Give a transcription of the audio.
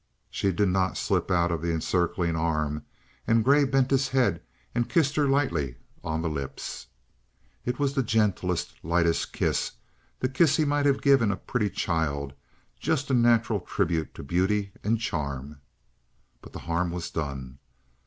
She did not slip out of the encircling arm, and Grey bent his head and kissed her lightly on the lips. It was the gentlest, lightest kiss, the kiss he might have given a pretty child, just a natural tribute to beauty and charm. But the harm was done.